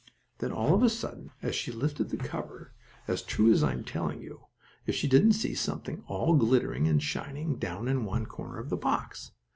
Then, all of a sudden, as she lifted the cover, as true as I'm telling you, if she didn't see something all glittering and shining down in one corner of the box.